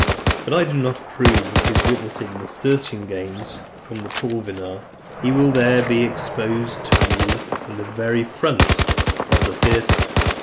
But I do not approve of his witnessing the Circensian games from the Pulvinar. He will be there exposed to view in the very front of the theatre.